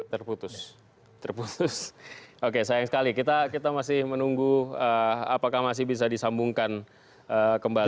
terputus terputus oke sayang sekali kita masih menunggu apakah masih bisa disambungkan kembali